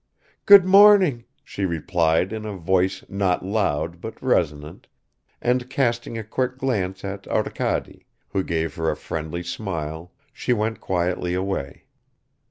"Good morning," she replied in a voice not loud but resonant, and casting a quick glance at Arkady, who gave her a friendly smile, she went quietly away.